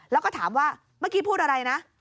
แล้วก็ถามว่าเมื่อกี้พูดอะไรนะ